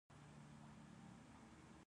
د خرما باغونه مخ په ډیریدو دي.